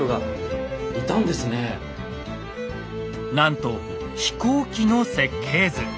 なんと飛行機の設計図。